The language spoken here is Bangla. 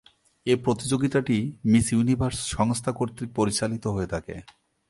এ প্রতিযোগিতাটি মিস ইউনিভার্স সংস্থা কর্তৃক পরিচালিত হয়ে থাকে।